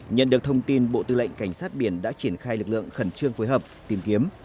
nhận được thông tin bộ tư lệnh cảnh sát biển đã triển khai lực lượng khẩn trương phối hợp tìm kiếm